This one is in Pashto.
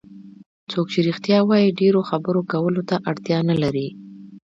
څوک چې رښتیا وایي ډېرو خبرو کولو ته اړتیا نه لري.